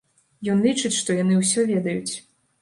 Ён лічыць, што яны ўсё ведаюць.